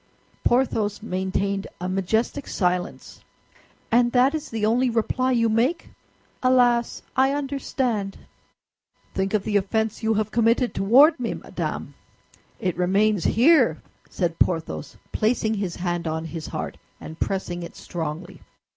Porthos maintained a majestic silence. "And that is the only reply you make? Alas, I understand." "Think of the offense you have committed toward me, madame! It remains here!" said Porthos, placing his hand on his heart, and pressing it strongly.